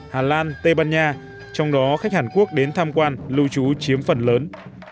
hà lan tây ban nha trong đó khách hàn quốc đến tham quan lưu trú chiếm phần lớn